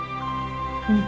うん。